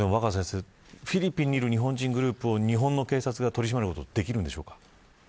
フィリピンにいる日本人グループを日本の警察が取り締まることはできるんでしょうか。